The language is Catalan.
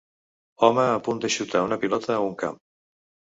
Home a punt de xutar una pilota a un camp.